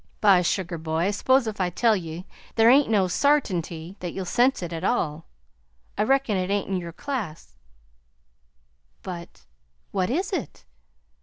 "By sugar, boy, I s'pose if I tell ye, there ain't no sartinty that you'll sense it at all. I reckon it ain't in your class." "But what is it?"